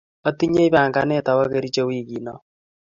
Atinye panganet awo Kericho wigii no.